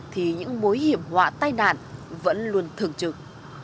thì những mối hiểm họa tai nạn vẫn luôn thường trực